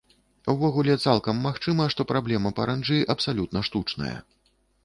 Увогуле, цалкам магчыма, што праблема паранджы абсалютна штучная.